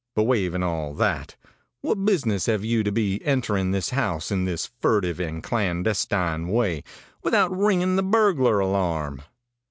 But waiving all that, what business have you to be entering this house in this furtive and clandestine way, without ringing the burglar alarm?'